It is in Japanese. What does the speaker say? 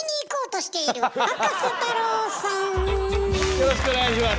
よろしくお願いします。